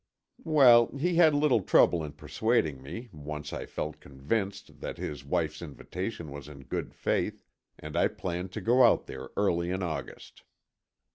Well, he had little trouble in persuading me, once I felt convinced that his wife's invitation was in good faith, and I planned to go out there early in August.